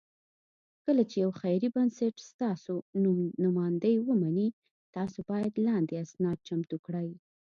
کله چې یو خیري بنسټ ستاسو نوماندۍ ومني، تاسو باید لاندې اسناد چمتو کړئ: